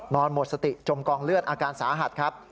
หมดสติจมกองเลือดอาการสาหัสครับ